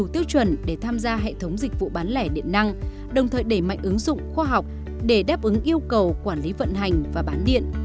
tiêu chuẩn để tham gia hệ thống dịch vụ bán lẻ điện năng đồng thời đẩy mạnh ứng dụng khoa học để đáp ứng yêu cầu quản lý vận hành và bán điện